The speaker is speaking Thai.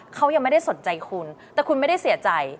เขายังไม่ได้สนใจคุณแต่คุณไม่ได้เสียใจ